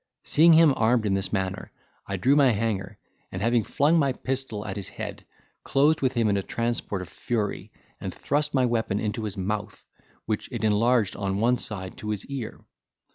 Seeing him armed in this manner, I drew my hanger, and, having flung my pistol at his head, closed with him in a transport of fury, and thrust my weapon into his mouth, which it enlarged on one side to his ear.